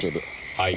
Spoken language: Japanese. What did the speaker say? はい？